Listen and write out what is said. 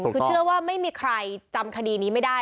คือเชื่อว่าไม่มีใครจำคดีนี้ไม่ได้